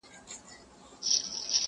حیا مي ژبه ګونګۍ کړې ده څه نه وایمه،